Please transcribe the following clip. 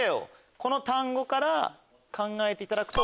この単語から考えていただくと。